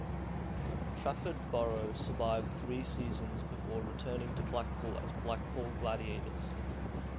Trafford Borough survived three seasons before returning to Blackpool as Blackpool Gladiators.